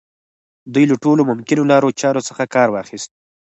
دوی له ټولو ممکنو لارو چارو څخه کار واخيست.